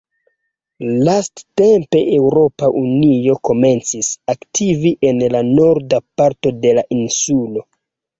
Lastatempe Eŭropa Unio komencis aktivi en la norda parto de la insulo.